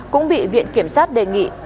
cũng bị viện kiểm sát đề nghị